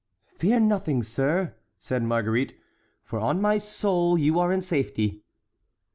"Fear nothing, sir," said Marguerite; "for, on my soul, you are in safety!"